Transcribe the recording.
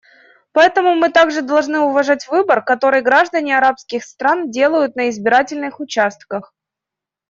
Поэтому мы также должны уважать выбор, который граждане арабских стран делают на избирательных участках.